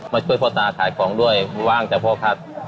มาช่วยพ่อตาขายของด้วยว่างแต่พ่อขัด